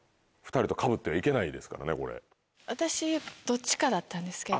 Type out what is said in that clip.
私どっちかだったんですけど。